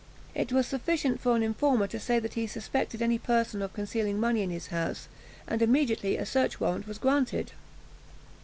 It was sufficient for an informer to say that he suspected any person of concealing money in his house, and immediately a search warrant was granted.